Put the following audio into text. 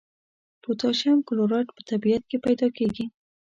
پوتاشیم کلورایډ په طبیعت کې پیداکیږي.